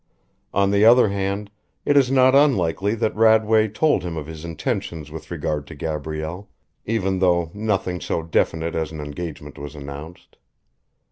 On the other hand, it is not unlikely that Radway told him of his intentions with regard to Gabrielle, even though nothing so definite as an engagement was announced.